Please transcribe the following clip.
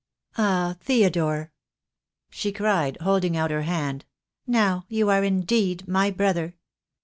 Ah, Theodore," she cried, holding out her hand, "now you are indeed my brother.